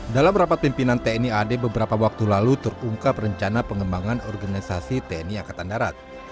dalam rapat pimpinan tni ad beberapa waktu lalu terungkap rencana pengembangan organisasi tni angkatan darat